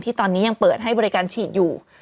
ตอนนี้ยังเปิดให้บริการฉีดอยู่